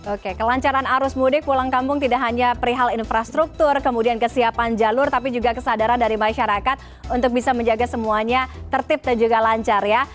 oke kelancaran arus mudik pulang kampung tidak hanya perihal infrastruktur kemudian kesiapan jalur tapi juga kesadaran dari masyarakat untuk bisa menjaga semuanya tertib dan juga lancar ya